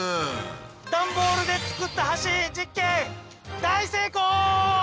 ダンボールで作った橋実験大成功！